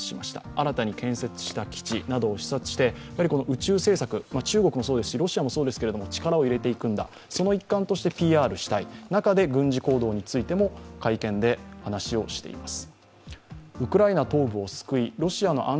宇宙政策、中国もそうですし、ロシアもそうですけれども、力を入れていくんだ、その一環としてＰＲしたい中で軍事行動についても会見で話をしています。